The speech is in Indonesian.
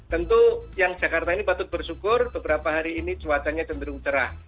tentu yang jakarta ini patut bersyukur beberapa hari ini cuacanya cenderung cerah